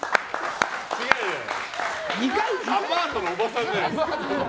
アパートのおばさんじゃないですか。